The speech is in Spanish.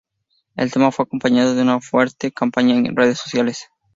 El tema fue acompañado de una fuerte campaña en redes sociales.